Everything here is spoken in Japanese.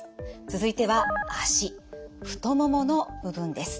続いては脚太ももの部分です。